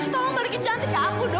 tolong balikin cantik ke aku dong